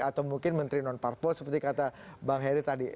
atau mungkin menteri non parpol seperti kata bang heri tadi